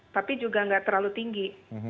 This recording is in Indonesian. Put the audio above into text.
tapi juga nggak terlalu tinggi